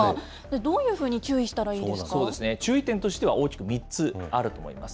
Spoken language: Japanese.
どういうふうに注意したらいいんそうですね、注意点としては、大きく３つあると思います。